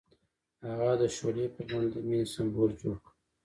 هغه د شعله په بڼه د مینې سمبول جوړ کړ.